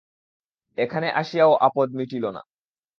এখানে আসিয়াও আপদ মিটিল না।